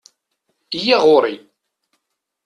Iyya ɣuṛ-i!